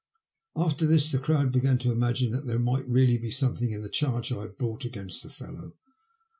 After this, the crowd began to imagine that there might really be something in the charge I had brought against the fellow.